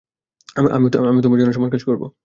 আমিও তোমার জন্য সমান কাজ করবো!